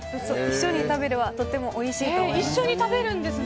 一緒に食べればとってもおいしいと思います。